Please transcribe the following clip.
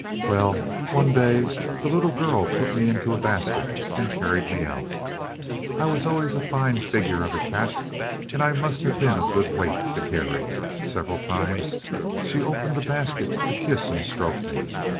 "Well, one day the little girl put me into a basket, and carried me out. I was always a fine figure of a cat, and I must have been a good weight to carry. Several times she opened the basket to kiss and stroke me.